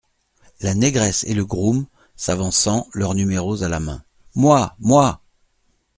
La Négresse et Le Groom , s’avançant, leurs numéros à la main. — Moi ! moi !